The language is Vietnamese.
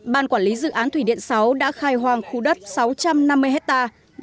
ban quản lý dự án thủy điện sáu đã khai hoang khu đất sáu trăm năm mươi hectare